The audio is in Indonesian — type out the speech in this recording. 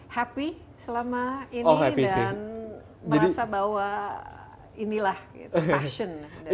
happy selama ini dan merasa bahwa inilah passion